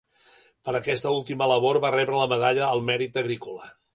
Per aquesta última labor va rebre la Medalla al Mèrit Agrícola.